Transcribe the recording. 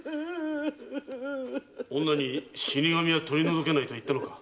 女に「死神は取り除けない」と言ったのか？